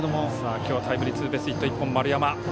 今日タイムリーツーベースヒット１本丸山。